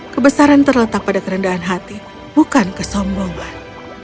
kebesaran terletak pada kerendahan hati bukan kesombongan